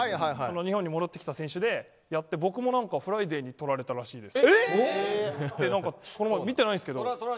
日本に戻ってきた選手でやって僕もフライデーに撮られたらしいです。